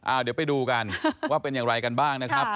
เดี๋ยวไปดูกันว่าเป็นอย่างไรกันบ้างนะครับ